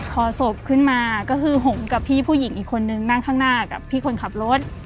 พอศพขึ้นมาก็คือผมกับพี่ผู้หญิงอีกคนนึงนั่งข้างหน้ากับพี่คนขับรถ